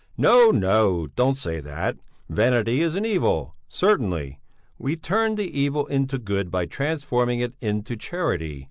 "No, no! Don't say that! Vanity is an evil, certainly; we turn the evil into good by transforming it into charity.